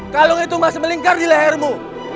kalung itu masih melingkar di lehermu